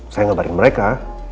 saya ngebaring mereka